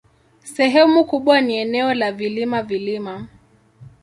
Sehemu kubwa ni eneo la vilima-vilima.